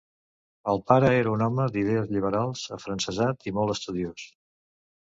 El pare era un home d’idees lliberals, afrancesat i molt estudiós.